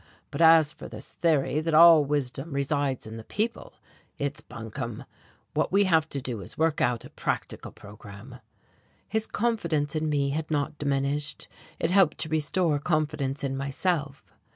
But as for this theory that all wisdom resides in the people, it's buncombe. What we have to do is to work out a practical programme." His confidence in me had not diminished. It helped to restore confidence in myself.